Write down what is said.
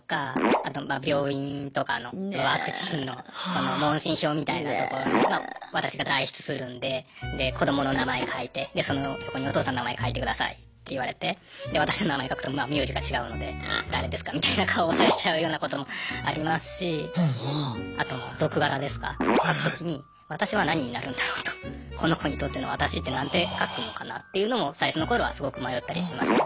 あとまあ病院とかのワクチンの問診票みたいなところに私が代筆するんでで子どもの名前書いてでその横にお父さんの名前書いてくださいって言われてで私の名前書くとまあ名字が違うので誰ですかみたいな顔をされちゃうようなこともありますしあとは続柄ですか書くときに私は何になるんだろうとこの子にとっての私って何て書くのかなっていうのも最初の頃はすごく迷ったりしましたね。